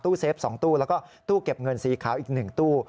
เฟฟ๒ตู้แล้วก็ตู้เก็บเงินสีขาวอีก๑ตู้